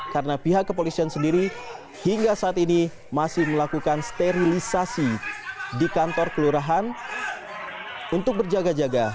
karena pihak kepolisian sendiri hingga saat ini masih melakukan sterilisasi di kantor kelurahan untuk berjaga jaga